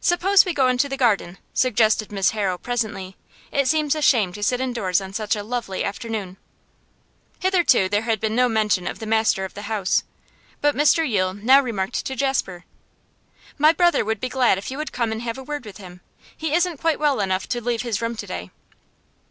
'Suppose we go into the garden,' suggested Miss Harrow, presently. 'It seems a shame to sit indoors on such a lovely afternoon.' Hitherto there had been no mention of the master of the house. But Mr Yule now remarked to Jasper: 'My brother would be glad if you would come and have a word with him. He isn't quite well enough to leave his room to day.